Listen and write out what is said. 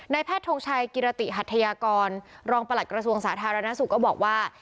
แพทย์ทงชัยกิรติหัทยากรรองประหลัดกระทรวงสาธารณสุขก็บอกว่า